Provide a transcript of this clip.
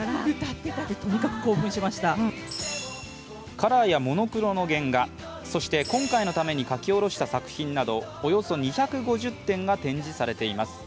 カラーやモノクロの原画そして今回のために描き下ろした作品などおよそ２５０点が展示されています。